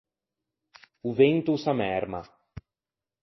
O vento o s’ammerma.